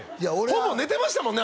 ほぼ寝てましたもんね